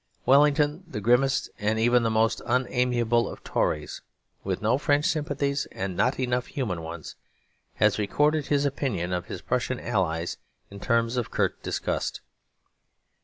Wellington, the grimmest and even the most unamiable of Tories, with no French sympathies and not enough human ones, has recorded his opinion of his Prussian allies in terms of curt disgust.